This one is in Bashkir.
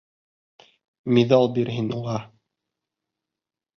Миҙал бир һин уға.